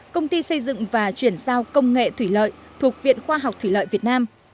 công ty xây dựng và chuyển giao công nghệ thủy lợi thuộc viện khoa học thủy lợi việt nam